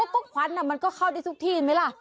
ก็ควันมันก็เข้าได้ทุกที่ไหมล่ะ